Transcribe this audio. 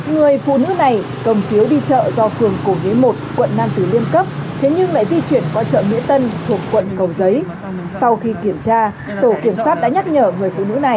người phụ nữ này cầm phiếu đi chợ do phường cổ nhuế một quận nam tử liêm cấp thế nhưng lại di chuyển qua chợ mỹ tân thuộc quận cầu giấy sau khi kiểm tra tổ kiểm soát đã nhắc nhở người phụ nữ này